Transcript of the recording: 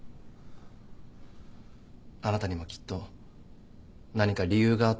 あなたにもきっと何か理由があったと思うんだ。